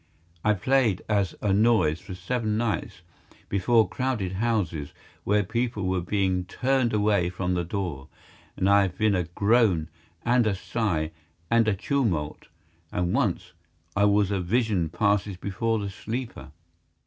I played as A Noise for seven nights, before crowded houses where people were being turned away from the door; and I have been a Groan and a Sigh and a Tumult, and once I was a "Vision Passes Before the Sleeper."